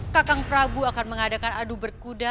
kakang prabu akan mengadakan adu berkuda